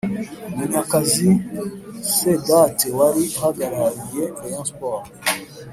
Munyakazi Sadate wari uhagarariye Rayon Sports